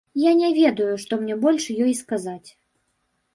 Я не ведаю, што мне больш ёй сказаць.